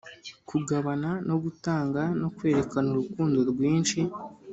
kugabana no gutanga no kwerekana urukundo rwinshi